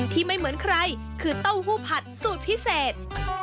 ไม่เหมือนใครคือเต้าหู้ผัดสูตรพิเศษ